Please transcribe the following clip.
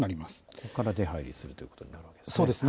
ここから出はいりするということなんですね。